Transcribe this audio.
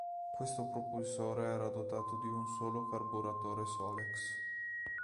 Questo propulsore era dotato di un solo carburatore Solex.